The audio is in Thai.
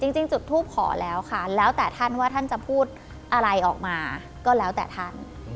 จริงจุดทูปขอแล้วค่ะแล้วแต่ท่านว่าท่านจะพูดอะไรออกมาก็แล้วแต่ท่าน